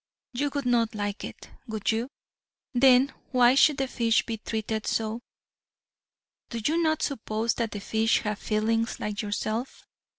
You would not like it, would you? Then why should the fish be treated so? Do you not suppose that the fish have feelings like yourself?